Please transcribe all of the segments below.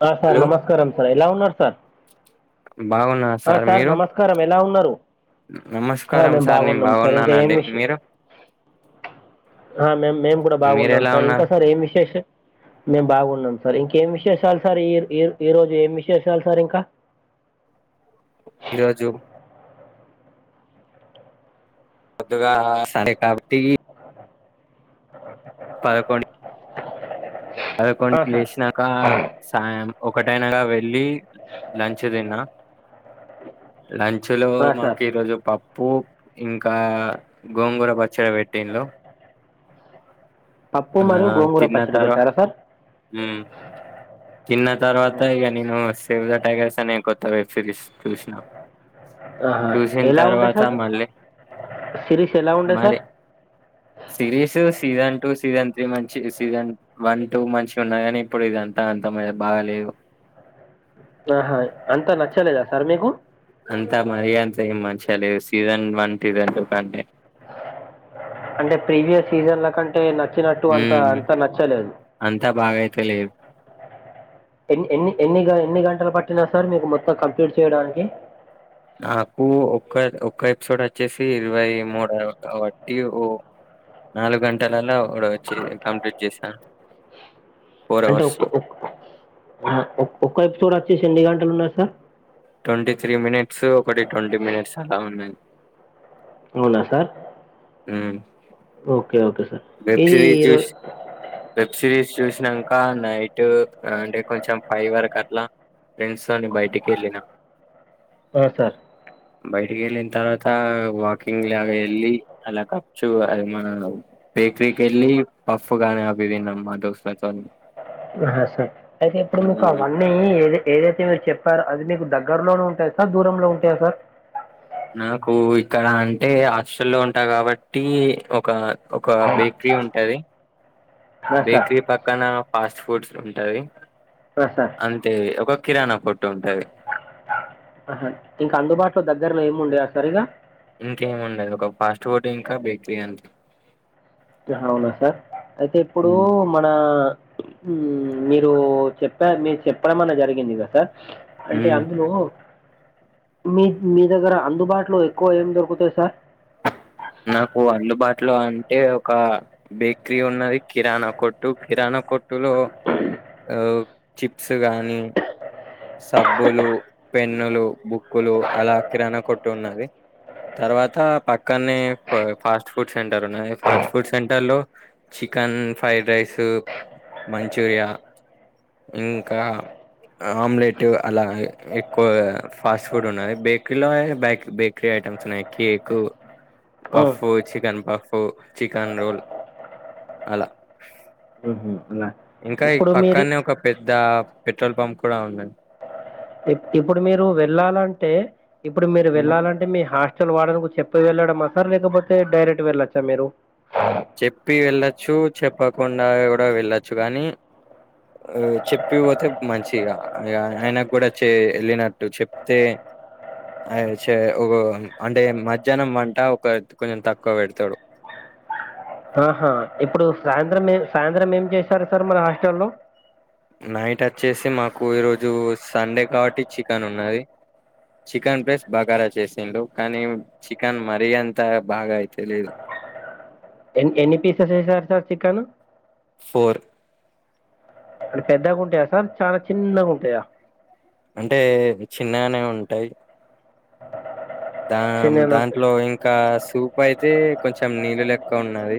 Sir sir hello నమస్కారం sir ఎలా ఉన్నారు సార్ బాగున్నా ఆ సార్ మీరు నమస్కారం ఎలా ఉన్నారు ఆ నమస్కారం మేము సార్ నేను బాగున్నాం సార్ ఇంకా ఏం బాగున్నానండి విషయం మీరు ఆ మే మేము గూడా మీరు బాగున్నాం ఎలా సార్ ఇంకా ఉన్నారు సార్ ఏం విశేష్ మేము బాగున్నాం సార్ ఇంకేమి విశేషాలు సార్ ఈ ఈ ఈ రోజు ఏం విశేషాల్ సార్ ఇంకా [inaudible] ఈ రోజు పొద్దుగా సండే కాబట్టి ఆ పదకొండుకు సార్ లేసినాక సాయం ఒకటైనాగ వెళ్ళి లంచ్ తిన్నా లంచ్ లో ఆ మాకు సార్ ఈరోజు పప్ ప్పు ఇంకా గోంగూర పచ్చడి పెట్టిల్లు. పప్పు ఆ మరియు గోంగూర తిన్న పచ్చడి తరవా పెట్టారా సార్ మ్ తిన్న తర్వాత ఇక నేను సేవ్ ద టైగర్స్ అనే కొత్త వెబ్ సిరీస్ చూసిన ఆహ చూసిన ఎలా ఉండే తర్వాత సార్ మళ్ళీ సిరీస్ ఎలా ఉండే sir series two season three మంచి సీజన్ వన్ టూ మంచిగున్న కానీ ఇప్పుడు ఇదంతా అంత బాగలేదు. ఆహా అంటె నచ్చలేదా సార్ మీకు అంతా మరీ అంత ఏం మంచిగలేదు సీజన్ వన్ టూ కంటే అంటే ప్రీవియస్ సీజన్ల కంటే నచ్చినట్టు అంత హ్మ్ అంత నచ్చలేదు. అంతా బాగైతే లేదు. ఎన్ని ఎన్ని ఎన్నిగ ఎన్ని గంటలు పట్టినాది సార్ మీకు మొత్తం కంప్లీట్ చేయడానికి నాకు ఒక్క ఒక్క ఎపిసోడ్ వచ్చేసి ఇరవై మూడు కాబట్టి ఓ నాలుగు గంటలల్లో కూడా వచ్చి కంప్లీట్ చేసా అంటే ఒక్ ఒక్ ఒక్క ఎపిసోడ్ వచ్చేసి ఎన్ని గంటలు ఉన్నాది సార్? ట్వంటీ త్రీ మినిట్స్ ఒకటి ట్వంటీ మినిట్స్ అలా ఉన్నాయి అవునా సార్ మ్ ఓకే ఓకే సార్ ఈ రే చూసి వెబ్ సిరీస్ చూసినంక నైట్ అంటే కొంచెం ఫైవ్ వరకు అట్లా ఫ్రెండ్స్ తోని బయటికెళ్ళిన ఓకె ఎల్లి నేన్ తర్వాత వాకింగ్ లాగ ఎల్లి అలా కప్చు అది మన బేక్రి కి వెళ్ళి పఫ్గాని అవి తిన్నాం మా దోస్తుల తోని హా సార్ అయితే ఇప్పుడు మీకు అవన్నీ ఏవి ఏవైతే మీరు చెప్పారో అది మీకు దగ్గరలోనే ఉంటాయా సార్ దూరంలో ఉంటాయా సార్ నాకు ఇక్కడ అంటే హాస్టల్ లో ఉంటా కాబట్టి ఒక ఒక బేకరీ ఉంటాది ఆ, సార్ బేకరీ పక్కన ఫాస్ట్ ఫుడ్స్ ఉంటాది ఆ, సార్ అంతే ఒక కిరాణా కొట్టు ఉంటాంది. ఆహా ఇంకా అందుబాటులో దగ్గరలో ఏమి ఉండదా సరిగా ఇంకేముండదు ఒక ఫాస్ట్ ఫుడ్ ఇంకా బేకరీ అంతే ఆహా అవునా సార్ అయితే ఇప్పుడు ఉమ్, మన మీరు చెప్పా మీకు చెప్పడంమన్నా జరిగిందా సార్? అంటే ఉమ్. అందులో మీక్ మీ దగ్గర అందుబాటులో ఎక్కువ ఏం దొరుకుతాయి సార్ నాకు అందుబాటులో అంటే ఒక బేకరీ ఉన్నది కిరాణా కొట్టు కిరాణా కొట్టు లో ఆ చిప్స్ గాని సబ్బులు పెన్నులు బుక్కులు అలా కిరాణ కొట్టున్నది తర్వాత పక్కనే ఫాస్ట్ ఫుడ్ సెంటర్ ఉన్నది ఫాస్ట్ ఫుడ్ సెంటర్ లో చి చికెన్ ఫ్రైడ్ రైస్ మంచూరియా ఇంకా ఆమ్లెట్ అలా ఎక్కువ ఫాస్ట్ ఫుడ్ ఉన్నది బేకరీలో బే బేకరీ ఐటమ్స్ ఉన్నాయి. కేక్, ఓ puff, chicken puff, chicken roll అలా మ్హు ఉన్నాయ్ ఇంకా ఈ పక్కనే ఒక పెద్ద పెట్రోల్ పంప్ కూడ ఉందండి. ఇప్పుడు మీరు వెళ్లాలంటే ఇప్పుడు మీరు వెళ్ళాలంటే మీ హాస్ అసలు వార్డెన్ చెప్పి వెళ్ళడామా సార్ లేకపోతే డైరెక్ట్ వెళ్ళొచ్చా మీరు చెప్పి వెళ్ళచ్చు చెప్పకుండా కూడా వెళ్ళచ్చు గానీ ఆ చెప్పిపోతే మంచిగా ఆయనకు కూడా చే లేనట్టు చెప్తే అయ్ చే అంటే మధ్యాహ్నం వంట ఒక కొంచెం తక్కువ పెడతాడు [inaudible] ఆహా ఇప్పుడు సాయంత్రం ఏ సాయంత్రం ఏం చేశారు సార్ మన హాస్టల్లో నైట్ వచ్చేసి మాకు ఈరోజు సండే కాబట్టి చికెన్ ఉన్నది చికెన్ ప్లస్ బగారా చేసిండు కానీ చికెన్ మరీ అంత బాగా అయితే లేదు ఆ ఎ ఎన్ని పీసెస్ వేసేస్తారు సార్ చికను ఫోర్ అ పెద్దగా ఉంటాయా సార్ చాలా చిన్నగా ఉంటాయా అంటే చిన్నగానే ఉంటాయి దా చిన్నగా ఉంటాయి దాంట్లో ఇంకా స్ పప్పు అయితే కొంచెం నీళ్ళు లెక్క ఉన్నది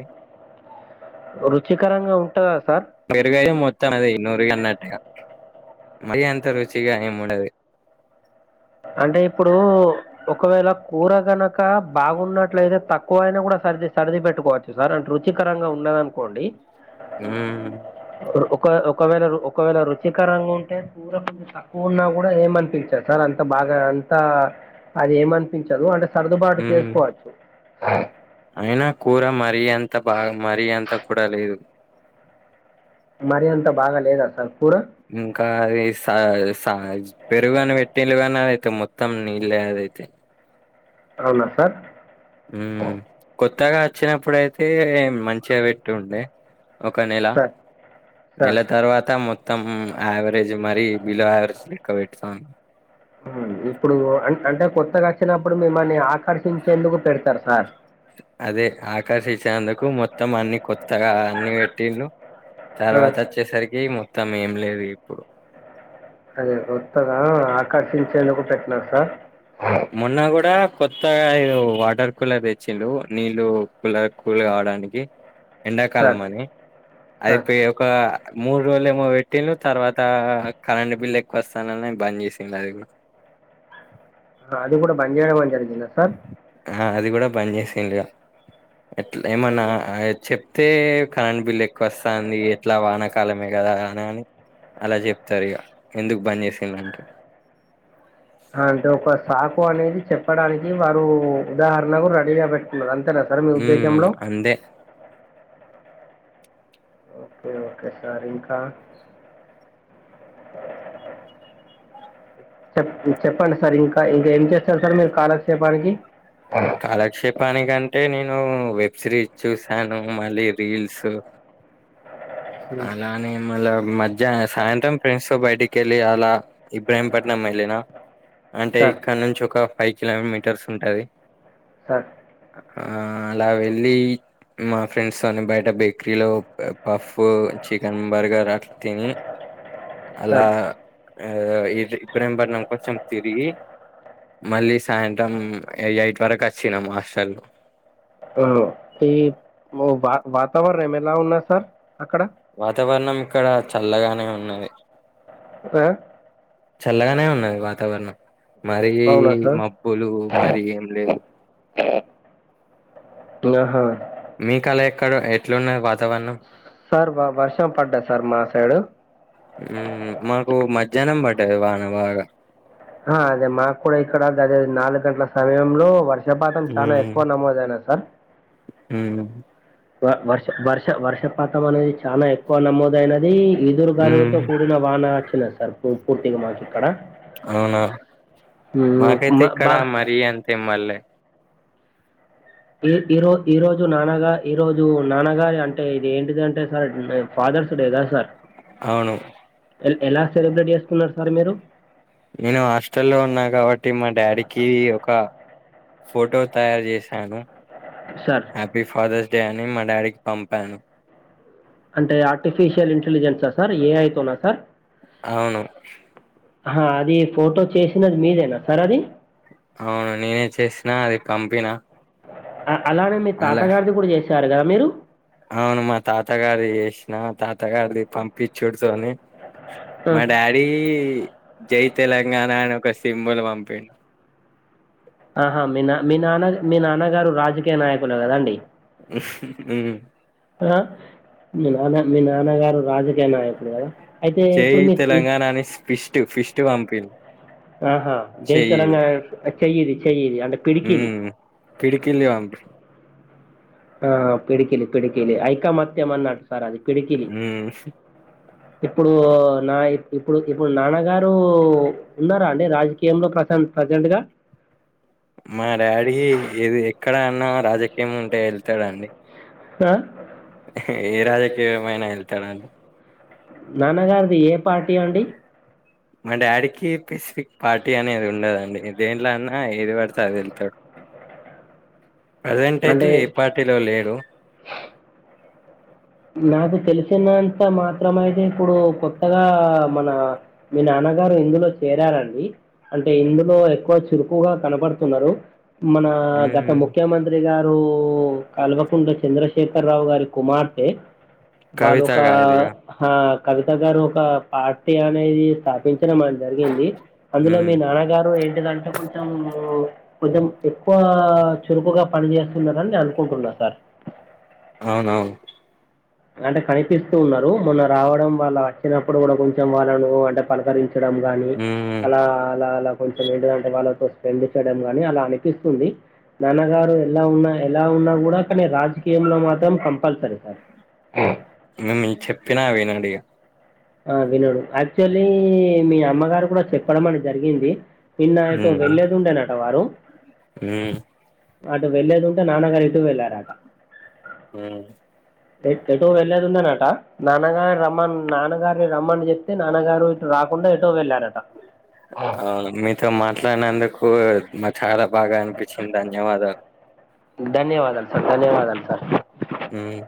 రుచికరంగా ఉంటుందా సార్ పెరుగు అయితే మొత్తం ది నూరుగా అన్నట్టుగా మరి అంత రుచిగా ఏం ఉండదు కూరగనక బాగున్నట్లయితే తక్కువయినా కూడా సరిది సరిది పెట్టుకోవచ్చు సార్ అంటే రుచికరంగా ఉన్న ఉన్నదనుకోండి హ్మ్ ఒక ఒకవేళ ఒకవేళ రుచికరంగా ఉంటే కూరకు తక్కువ ఉన్నా కూడా ఏమనిపించదు సార్ అంత అంత బాగా అంతా అది ఏమనిపించదు అంటే సర్దుబాటు మ్మ్ చేసుకోవచ్చు అయినా కూర మరీ అంత బాగా మరీ అంత కూడా లేదు మరీ అంత బాగా లేదా సార్ కూర ఇంకా అది సా స్ తాజ్ పెరుగు అని పెట్టిళ్ళు కానీ అదైతే మొత్తం నీల్లే అదైతే అవునా సార్ హ్మ్ కొత్తగా వచ్చినప్పుడయితే మంచిగా పెట్టుండే ఒక నెల సార్ నెల సార్ తరువాత మొత్తం మొత్తం అవరేజ్ మరి బిలో యావరేజ్ లెక్క పెడుతాండ్రు హ్మ్ ఇప్పుడు అన్ అంటే కొత్తగా వచ్చినప్పుడు మిమ్మల్ని ఆక ఆకర్శించేందుకు పెడతారు సార్ కు మొత్తం అన్ని కొత్తగా అన్ని పెట్టిండ్రు ఆ, తర్వాత వచ్చేసరికి మొత్ మొత్తం ఏం లేదు ఇగ ఇప్పుడు అదే కొత్తగా ఆకర్షించేందుకు పెట్టినారు సార్ మొన్న కూడా కొత్తగా ఏదో వాటర్ కూలర్ తెచ్చిండ్రు నీళ్ళు కూలర్ కూల్ కావడానికి ఎండా సార్ కాలం అని అది సార్ ఇ ఒక మూడు రోజులు ఏమో పెట్టిండ్రు తర్వాత కరెంట్ బిల్ ఎక్కువ వస్తదని బంద్ చేసిండ్రు అది కూడా అది కూడా బన్ చేయడం అని జరిగిందా సార్ అది కూడా బన్ చేసిండ్రు ఇగ ఎట్లా ఏమన్నా అయ్యో చెప్ అయితే కరెంట్ బిల్ ఎక్కువ వస్తాంది ఎట్లా వానాకాలమే కదా అలాగని అలా చెప్తారు ఇగ ఎందుకు బన్ చేసిండ్రు అంటే అంటే ఒక సాకు అనేది చెప్పడానికి వారు ఉదాహరణకు రెడీగా పెట్టుకున్నారు అంతే అంతేనా సార్ మీ ఉమ్ ఉద్దేశంలో అంతే ఓకే ఓకే సార్ ఇంకా చెప్ చెప్పండి సార్ ఇంకా ఇంకా ఏం చేస్తారు. సార్ మీరు కాలాక్షేపానికి కాలక్షేపాని అంటే నేను వెబ్ సిరీస్ చూసాను మళ్ళీ రీల్స్ ఉమ్, అలా నేేను మళ్ళ మధ్యాహ సాయంత్రం ఫ్రెండ్స్ తో బయటికి వెళ్ళి అలా ఇబ్రాహీంపట్నం ఏళ్ళిన అ అంటే ఇక్కడ నుంచి ఒక ఫైవ్ కిలోమీటర్స్ ఉంటది సార్ ఆ అలా వెళ్ళి మా ఫ్రెండ్స్ తోని బయట బేకరీలో పాఫ్ ప్పు చికెన్ బర్గర్ అట్లా తిని అలా సార్ అ ఇడ్లి ఇబ్రహీం పట్నం కొంచం తిరిగి మళ్ళీ సాయంత్రం ఎయిట్ వరకు ఓచ్చినాము హాస్టల్ కు అ టి మా వా వాతావరణం ఎలా ఉన్నాది సార్ అక్కడ వాతావరణం ఇక్కడ చల్లగానే ఉన్నది ఆ చల్లగానే ఉన్నాది వాతావరణం మారి అవునా సార్ మబ్బులు మరి ఏం లేవు ఆహా మీకు అలా ఎక్కడ ఎట్లున్నాది వాతా సార్ వ వర్షం పడ్డాది సార్ మా సైడు హ్ మాకు మధ్యాహ్నం బడ్డది వాన బాగా ఆ అదే మాకు కూడా ఇక్కడ గాదె నాలుగు గంటల సమయంలో వర్ష వర్షపాతం చాలా ఎక్కువ నమోదు అయింది సార్ హ్ వ వర్ష వర్ష వర్షపాతం అనేది చానా ఎక్కువ నమోదైనది ఈదురు మ్మ్ గాలులతో కూడిన వాన వచ్చినాది సార్ పూర్తిగా మాకు ఇక్కడ అవునా మ్మ్, మాకైతే మా ఇక్కడ బా మరీ అంతే బల్లె ఈ ఈరోజు ఈ రోజు నాన్నగ ఈ రోజు నాన్నగారి అంటే ఇది ఏంటిదంటే సార్ ఫదర్స్ డే దా సార్ అవును ఎలా సెలబ్రేట్ చేస్తుకున్నారు. సార్ మీరు నేను హాస్టల్ల్లో ఉన్నా కాబట్టి మా డాడీకి ఒక ఫోటో తయారు చేశాను సార్ హ్యాపీ ఫాదర్స్ డే అని మా డాడీకి పంపాను అంటే ఆర్టిఫిషియల్ ఇంటెలిజెన్స సార్ ఏఐ తోనా సార్ అవును ఆ అది ఫోటో చేసినది. మీదేనా సార్ అది అవును నేనే చేసినా అది పంపినా అలానే మీ తాతగారిది కూడా చేసారు కదా మీరు అవును మా తాత గారిది చేసిన తాత గారిది పంపించూడుతొని ఆ. మా డాడీ జై తెలంగాణ అని ఒక సింబుల్ పంపిండు ఆహా మీ నా మీ నాన్న మీ నాన్నగారు రాజకీయ నాయకులు కదాండి హ్ ఆ మీ నాన్న మీ నాన్నగారు రాజ నాయకుడు కదా అయితే జై ఇప్పుడు మీ తెలంగాణ అని ఫిస్ట్ ఫిస్ట్ పంపిండు ఆహా జై తెలంగాణ చెయ్యిది చెయ్యిది ఉమ్ పిడికిలి అంటార్ ఆ పిడుకిలి పిడుకిలి ఐకమత్యం అన్నట్టు సార్ అది పిడుకిలి ఉమ్. ఇప్పుడు నా ఇప్పుడు ఇప్పుడు నాన్నగారు ఉన్నారా అండి రాజకీయంలో ప్రజెంట్ గా మా డాడీ ఏది ఎక్కడ అన్నా రాజకీయం ఉంటే వెళ్తాడండి ఆ ఏ రాజకీయమైనా వెళ్తాడండి నాన్నగారిది ఏ పార్టీ అండి మా డాడీకి పెసిఫిక్ పార్టీ అనేది ఉండదండి దేంట్లో అన్నా ఏది పడితే అది వెళ్తాడు [inaudible] ప్రెసెంట్ అయితే అంటే ఏ పార్టీలో లేడు నాకు తెలిసినంత మాత్రం అయితే ఇప్పుడు కొత్తగా మన మీ నాన్న గారు ఇందులో చేరారండి అంటే ఇందులో ఎక్కువ చురుకుగా కనపడుతున్నారు మన గత ఉమ్. ముఖ్యమంత్రిగా కల్వకుంట్ల చంద్రశేఖర రావు గారి కుమార్తె వాళ్లు కవిత ఒక గారిదిగా ఆ కవిత గారు ఒక పార్టీ అనేది స్థాపిం జరిగింది అందులో హ్మ్ మీ నాన్నగారు ఏంటిదంటే కొంచెం కొంచెం ఎక్కువ చురుకుగా పని చేేస్తున్నారని నేను అనుకుంటున్నా సార్ అవునవును అంటే కనిపిస్తూ ఉన్నారు మొన్న రావడం వాళ్ళ వచ్చినప్పుడు కూడా కొంచెం వాళ్ళను అంటే పలకరించ గాని హ్మ్ అలా అలా అలా కొంచెం ఏంటిదంటే వాళ్ళతో స్పెండ్ చేయడం గాని అలా అనిపిస్తుంది నాన్నగారు ఎలా ఉన్నా ఎలా ఉన్నా కూడా కానీ రాజకీయంలో మాత్రం కంపల్సరీ సార్ ఇంగ మేం చెప్పిన వినడిగా ఆ వినడు యాక్చువల్లీ మీ అమ్మగారు కూడా చెప్పడం అని జరిగింది నిన్న ఎటో వెళ్లేది ఉండేనట వారు ఉమ్ అటు వెళ్లేది ఉంటే నాన్నగారు ఇటు వెళ్లారట ఉమ్ ఎటో వెళ్లేది ఉందేనట నాన్నగారు రమ్మను నాన గారినీ రమ్మని చెప్తే నాన్నగారు ఇటు రాకుండా ఎటో వెళ్ళారట అవును మీతో మాట్లాడినందుకు నాకు చాలా బాగా అనిపించింది ధన్యవాదాలు ధన్యవాదాలు సార్ ధన్యవాదాలు సార్ హ్మ్